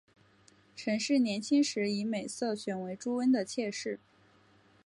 陈氏年轻时以美色选为朱温的妾室。